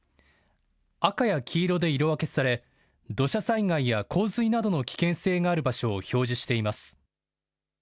赤や黄色で色分けされ土砂災害や洪水などの危険性がある場所を表示しています。